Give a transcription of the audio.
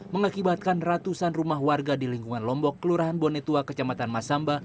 mengakibatkan ratusan rumah warga di lingkungan lombok kelurahan bonetua kecamatan masamba